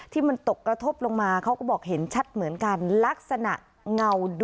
ที่มันตกกระทบลงมาเขาอาจเห็นชัดเหมือนกัน